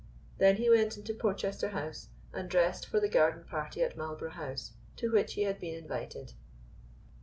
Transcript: Then he went into Porchester House and dressed for the Garden Party at Marlborough House, to which he had been invited.